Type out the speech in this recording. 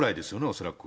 恐らく。